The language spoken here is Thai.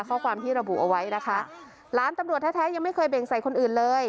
ข้อความที่ระบุเอาไว้นะคะหลานตำรวจแท้แท้ยังไม่เคยเบ่งใส่คนอื่นเลย